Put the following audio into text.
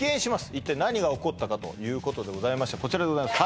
一体何が起こったかということでございましてこちらでございます